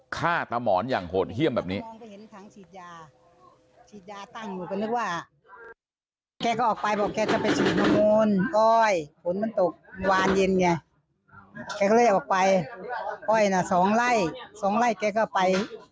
ฆ่าตามหมอนอย่างโหดเยี่ยมแบบนี้